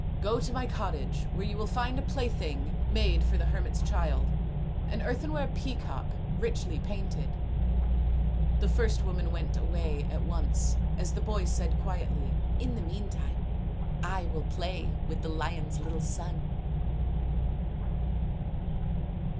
" Go to my cottage, where you will find a plaything made for the hermit's child an earthenware peacock richly painted." The first woman went away at once as the boy said quietly, " In the meantime I will play with the lion's little son."